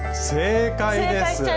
正解です！